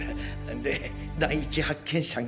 で第一発見者が。